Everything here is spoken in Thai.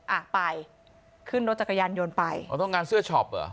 อ่ะไปขึ้นรถจักรยานยนต์ไปอ๋อต้องการเสื้อช็อปเหรอ